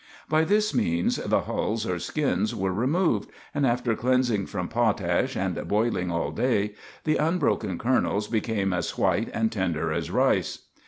By this means the hulls or skins were removed, and after cleansing from potash, and boiling all day, the unbroken kernels became as white and tender as rice.